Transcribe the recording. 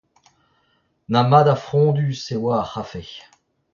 Na mat ha frondus e oa ar c’hafe !